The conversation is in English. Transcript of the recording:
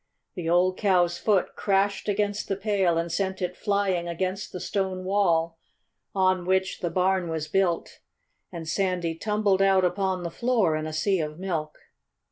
The old cow's foot crashed against the pail and sent it flying against the stone wall on which the barn was built. And Sandy tumbled out upon the floor in a sea of milk.